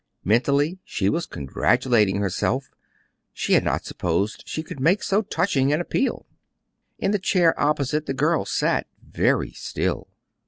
Mentally she was congratulating herself: she had not supposed she could make so touching an appeal. In the chair opposite the girl sat very still.